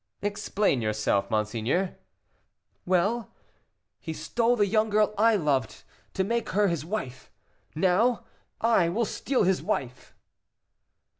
"Explain yourself, monseigneur." "Well, he stole the young girl I loved to make her his wife; now I will steal his wife!"